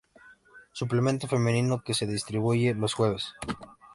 Suplemento femenino que se distribuye los jueves.